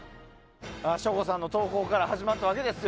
省吾さんの投稿から始まったわけですよ。